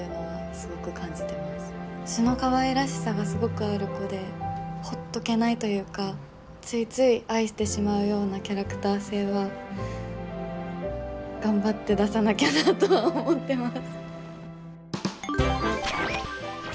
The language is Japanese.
素のかわいらしさがすごくある子でほっとけないというかついつい愛してしまうようなキャラクター性は頑張って出さなきゃなとは思ってます。